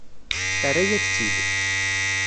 Terra-yak-tt-id.